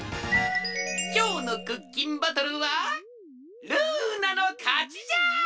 きょうのクッキンバトルはルーナのかちじゃ！